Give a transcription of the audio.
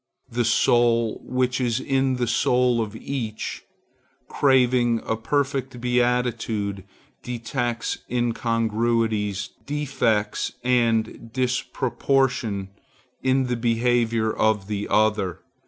The soul which is in the soul of each, craving a perfect beatitude, detects incongruities, defects and disproportion in the behavior of the other.